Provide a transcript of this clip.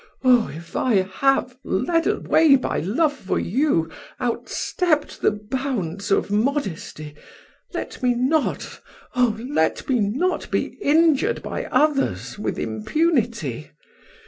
Oh! if I have (led away by love for you) outstepped the bounds of modesty, let me not, oh! let me not be injured by others with impunity.